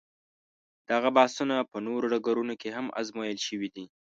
دغه بحثونه په نورو ډګرونو کې هم ازمویل شوي دي.